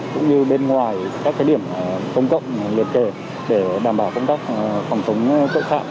cũng như bên ngoài các điểm công cộng liên kề để đảm bảo công tác phòng chống tội phạm